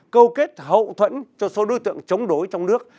câu kết hậu thuẫn cho số đối tượng chống đối trong nước